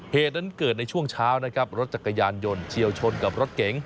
เหตุนั้นเกิดในช่วงเช้านะครับรถจักรยานยนต์เฉียวชนกับรถเก๋ง